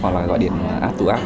hoặc là gọi điện app to app